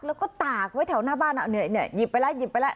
แล้วก็ตากไว้แถวหน้าบ้านเอาเนี่ยหยิบไปแล้วหยิบไปแล้ว